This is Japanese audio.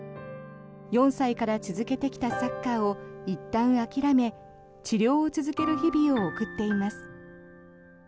４歳から続けてきたサッカーをいったん諦め治療を続ける日々を送っています。